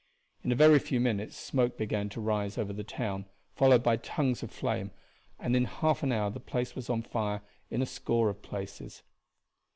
In a very few minutes smoke began to rise over the town, followed by tongues of flame, and in half an hour the place was on fire in a score of places.